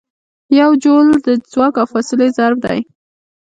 یو جول د ځواک او فاصلې ضرب دی.